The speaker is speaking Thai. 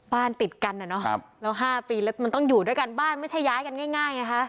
ติดกันอ่ะเนาะแล้ว๕ปีแล้วมันต้องอยู่ด้วยกันบ้านไม่ใช่ย้ายกันง่ายไงคะ